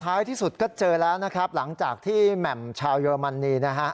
ที่สุดก็เจอแล้วนะครับหลังจากที่แหม่มชาวเยอรมนีนะฮะ